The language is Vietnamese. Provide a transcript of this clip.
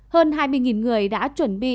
hơn hai mươi người đã chuẩn bị